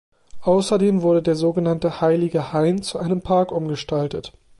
Außerdem wurde der sogenannte "Heilige Hain" zu einem Park umgestaltet.